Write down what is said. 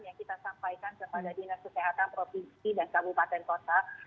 yang kita sampaikan kepada dinas kesehatan provinsi dan kabupaten kota